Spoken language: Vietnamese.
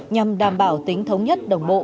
nhằm đảm bảo tính thống nhất đồng bộ